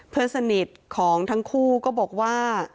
เพื่อนสนิทของทั้งคู่ก็บอกว่า